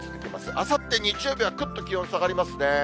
あさって日曜日はぐっと気温下がりますね。